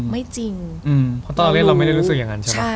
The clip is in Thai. ไม่จริงเพราะตอนเราเล่นเราไม่ได้รู้สึกอย่างนั้นใช่ไหม